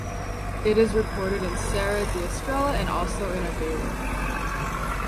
It is recorded in Serra da Estrela and also in Aveiro.